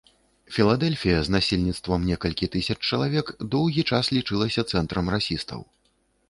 Філадэльфія з насельніцтвам некалькі тысяч чалавек доўгі час лічылася цэнтрам расістаў.